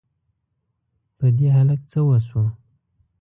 په دې هلک څه وشوو؟!